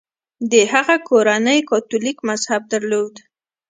د هغه کورنۍ کاتولیک مذهب درلود.